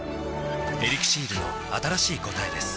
「エリクシール」の新しい答えです